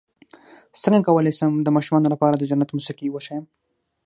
څنګه کولی شم د ماشومانو لپاره د جنت موسيقي وښایم